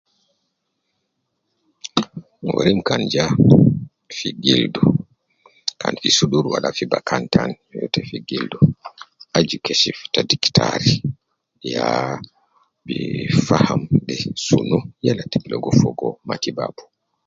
Werim kan ja fi gildu kan fi sudur Wala fi bakan taan yoyote fi gildu aju keshif ta diktari yaa bi faham sunu yal te bi ligo Fogo matibabau